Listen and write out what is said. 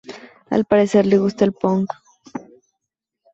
Al parecer le gusta el punk.